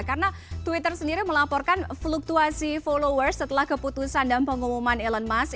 karena twitter sendiri melaporkan fluktuasi followers setelah keputusan dan pengumuman elon musk